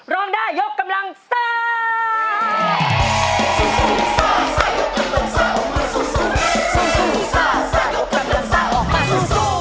รองด้ายกำลังซ่า